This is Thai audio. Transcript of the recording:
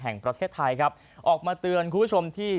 แห่งประเทศไทยครับออกมาเตือนคุณผู้ชมที่